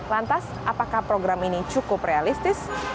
lantas apakah program ini cukup realistis